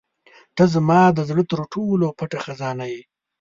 • ته زما د زړه تر ټولو پټه خزانه یې.